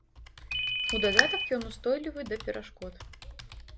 У дадатак ён устойлівы да перашкод.